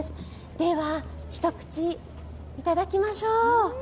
では、一口いただきましょう。